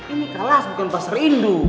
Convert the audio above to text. ini kelas bukan pasar hindu